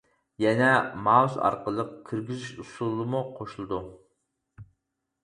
يەنە مائۇس ئارقىلىق كىرگۈزۈش ئۇسۇلىمۇ قوشۇلىدۇ.